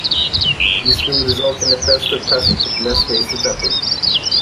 This will result in a faster passage with less wasted effort.